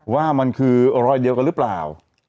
ว่ามันคือรอยเดียวกันหรือเปล่า